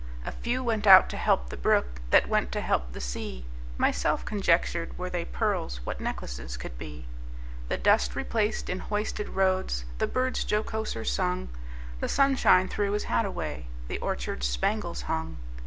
A few went out to help the brook, That went to help the sea. Myself conjectured, Were they pearls, What necklaces could be! The dust replaced in hoisted roads, The birds jocoser sung; The sunshine threw his hat away, The orchards spangles hung.